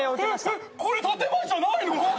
えっこれ建前じゃないの？